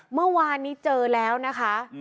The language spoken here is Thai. เมื่อวานนี้เจอแล้วนะคะ